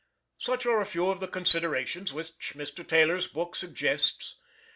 Such are a few of the considerations which Mr. Taylor's book suggests.